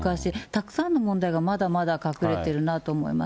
たくさんの問題がまだまだ隠れているなと思います。